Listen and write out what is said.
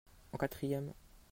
en quatrième.